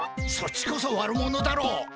そっちこそ悪者だろう！